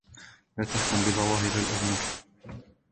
لا تحكم بظواهر الأمور.